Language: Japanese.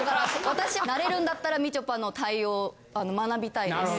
私なれるんだったらみちょぱの対応学びたいです。